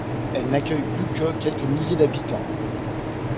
Elle n'accueille plus que quelques milliers d'habitants.